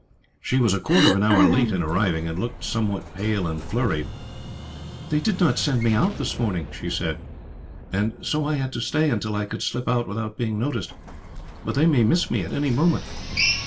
She was a quarter of an hour late in arriving, and looked somewhat pale and flurried. "They did not send me out this morning," she said, "and so I had to stay, until I could slip out without being noticed; but they may miss me at any moment."